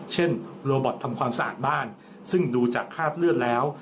เช่นโรบอตทำความสะอาดบ้านซึ่งดูจากคราบเลือดแล้ว